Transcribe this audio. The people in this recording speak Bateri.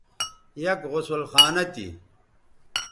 یک غسل خانہ تھی